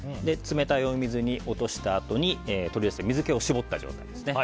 冷たいお水に落としたあとに取り出して水気を絞った状態です。